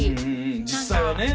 実際はね。